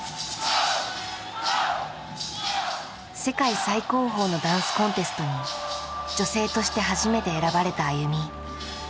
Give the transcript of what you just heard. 世界最高峰のダンスコンテストに女性として初めて選ばれたＡＹＵＭＩ。